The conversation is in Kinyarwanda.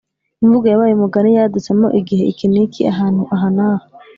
imvugo yabaye umugani yadutsemo igihe iki n’iki, ahantu aha n’aha.